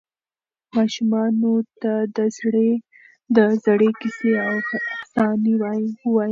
ماشومانو ته د زړې کیسې او افسانې ووایئ.